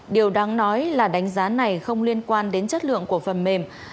điều đáng nói là đánh giá này không liên quan đến chất lượng của phần mềm